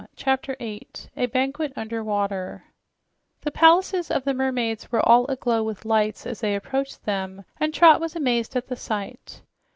CHAPTER 8 A BANQUET UNDER WATER The palaces of the mermaids were all aglow with lights as they approached them, and Trot was amazed at the sight.